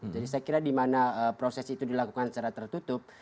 jadi saya kira dimana proses itu dilakukan secara tertutup